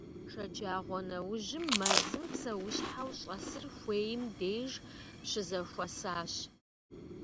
Шэджагъуэнэужьым мэзым псэущхьэу щӀэсыр хуейм деж щызэхуэсащ.